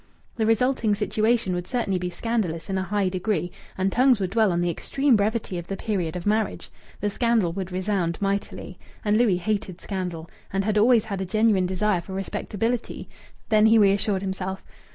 The resulting situation would certainly be scandalous in a high degree, and tongues would dwell on the extreme brevity of the period of marriage. The scandal would resound mightily. And Louis hated scandal, and had always had a genuine desire for respectability.... Then he reassured himself.